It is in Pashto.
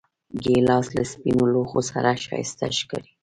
ګیلاس له سپینو لوښو سره ښایسته ښکاري.